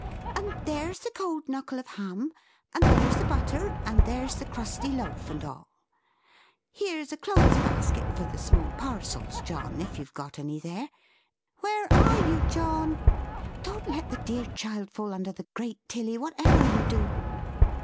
"And there's the cold knuckle of ham; and there's the butter; and there's the crusty loaf, and all! Here's a clothes basket for the small parcels, John, if you've got any there where are you, John? Don't let the dear child fall under the grate, Tilly, whatever you do!"